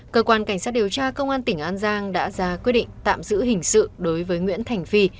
cơ quan cảnh sát điều tra công an tỉnh an giang đã ra quyết định tạm giữ hình sự đối với nguyễn thành phi